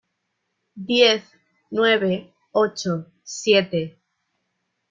Diez, nueve , ocho , siete...